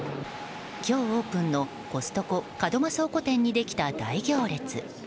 今日オープンのコストコ門間倉庫店にできた大行列。